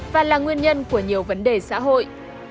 và là nguyên nhân của nhiều vấn đề xã hội